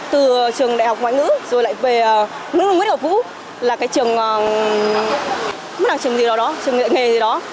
từ trường đại học ngoại ngữ rồi lại về nguyễn đồng nguyễn điều phú là cái trường không phải là trường gì đó đó trường nghệ nghề gì đó